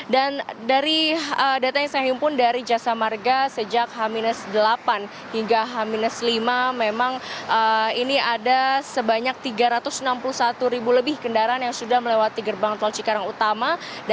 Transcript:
dan dari data yang saya himpun dari jasa marga sejak h delapan hingga h lima memang ini ada sebanyak tiga ratus enam puluh satu ribu lebih kendaraan yang sudah melewati gerbang tol cikarang utama